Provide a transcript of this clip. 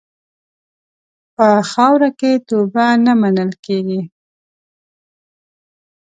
په خاوره کې توبه نه منل کېږي.